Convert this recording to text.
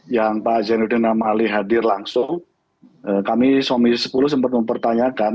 yang pak zainuddin amali hadir langsung kami suami sepuluh sempat mempertanyakan